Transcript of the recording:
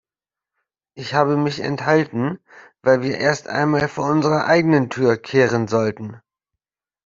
Ich habe mich enthalten, weil wir erst einmal vor unserer eigenen Tür kehren sollten.